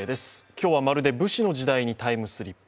今日は、まるで武士の時代にタイムスリップ。